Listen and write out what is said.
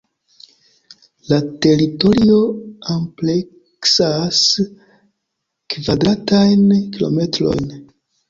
La teritorio ampleksas kvadratajn kilometrojn.